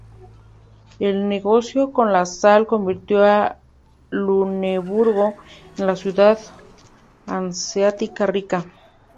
El negocio con la sal convirtió a Luneburgo en una ciudad hanseática rica.